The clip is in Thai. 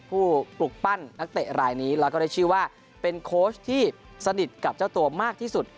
ปลุกปั้นนักเตะรายนี้แล้วก็ได้ชื่อว่าเป็นโค้ชที่สนิทกับเจ้าตัวมากที่สุด